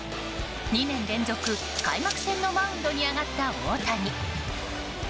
２年連続、開幕戦のマウンドに上がった大谷。